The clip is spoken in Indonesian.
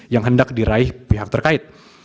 yang hendak diraih pihak terkait